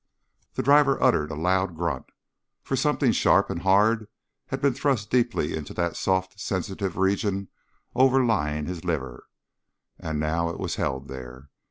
The driver uttered a loud grunt, for something sharp and hard had been thrust deeply into that soft, sensitive region overlying his liver, and now it was held there.